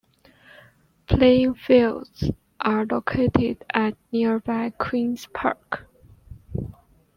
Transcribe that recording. Playing fields are located at nearby Queens Park.